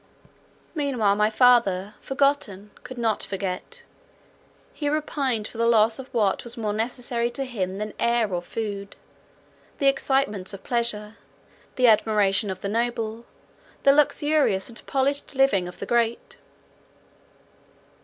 Meanwhile my father, forgotten, could not forget. He repined for the loss of what was more necessary to him than air or food—the excitements of pleasure, the admiration of the noble, the luxurious and polished living of the great.